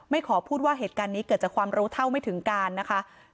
ขอพูดว่าเหตุการณ์นี้เกิดจากความรู้เท่าไม่ถึงการนะคะ